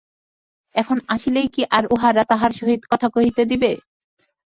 এখন আসিলেই কি আর উহারা তাহার সহিত কথা কহিতে দিবে?